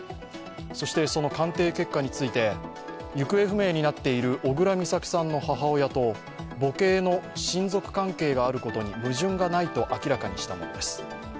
そして、その鑑定結果について行方不明になっている小倉美咲さんの母親と母系の親族関係があることに矛盾がないと明らかにしたものです。